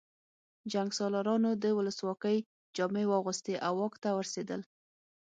جنګسالارانو د ولسواکۍ جامې واغوستې او واک ته ورسېدل